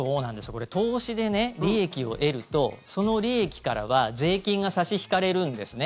これ、投資で利益を得るとその利益からは税金が差し引かれるんですね。